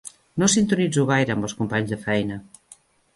No sintonitzo gaire amb els companys de feina.